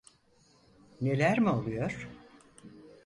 Neler mi oluyor?